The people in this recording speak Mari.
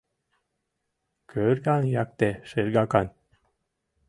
Кӧрган якте шергакан —